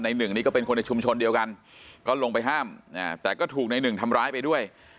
หนึ่งนี่ก็เป็นคนในชุมชนเดียวกันก็ลงไปห้ามแต่ก็ถูกในหนึ่งทำร้ายไปด้วย